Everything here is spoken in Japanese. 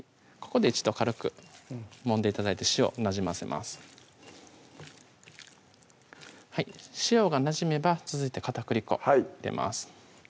ここで一度軽くもんで頂いて塩なじませます塩がなじめば続いて片栗粉入れます